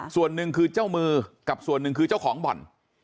ส่วนหนึ่งคือเจ้ามือกับส่วนหนึ่งคือเจ้าของบ่อน